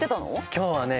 今日はね